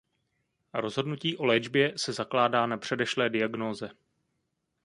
Rozhodnutí o léčbě se zakládá na předešlé diagnóze.